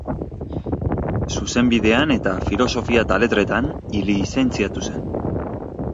Zuzenbidean eta Filosofia eta Letretan lizentziatu zen.